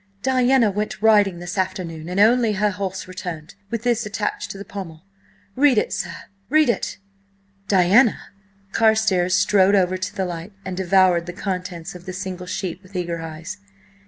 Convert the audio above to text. "Diana went riding this afternoon, and only her horse returned–with this attached to the pommel! Read it, sir! Read it!" "Diana!" Carstares strode over to the light, and devoured the contents of the single sheet, with eager eyes.